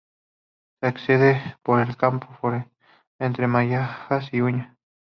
Se accede por el camino forestal entre Las Majadas y Uña.